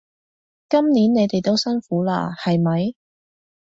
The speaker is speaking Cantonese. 今年你哋都辛苦喇係咪？